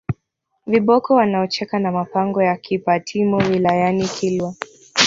viboko wanaocheka na mapango ya Kipatimo wilayani Kilwa